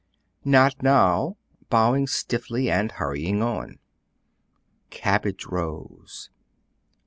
"Not now," bowing stiffly and hurrying on. "Cabbage rose."